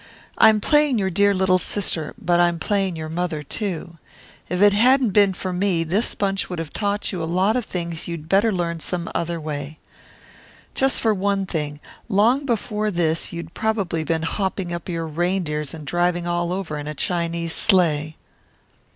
I'm playing your dear little sister, but I'm playing your mother, too. If it hadn't been for me this bunch would have taught you a lot of things you'd better learn some other way. Just for one thing, long before this you'd probably been hopping up your reindeers and driving all over in a Chinese sleigh."